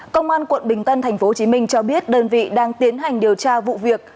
công an quận bình tân tp hcm cho biết đơn vị đang tiến hành điều tra vụ việc